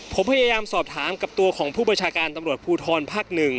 ผมพยายามสอบถามกับตัวของผู้ประชาการตำรวจภูทรภาค๑